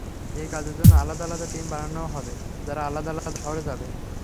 এই কাজের জন্য আলাদা আলাদা টিম বানানো হবে, যারা আলাদা আলাদা শহরে যাবে।